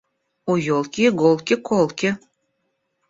У елки иголки колки.